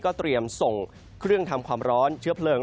เตรียมส่งเครื่องทำความร้อนเชื้อเพลิง